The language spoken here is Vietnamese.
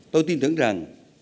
tôi tin tưởng rằng